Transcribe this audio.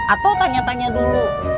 atau tanya tanya dulu